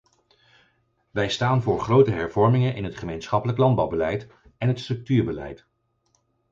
Wij staan voor grote hervormingen in het gemeenschappelijk landbouwbeleid en het structuurbeleid.